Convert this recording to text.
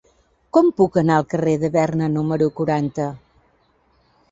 Com puc anar al carrer de Berna número quaranta?